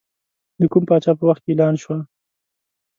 د کوم پاچا په وخت کې اعلان شوه.